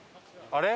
あれ。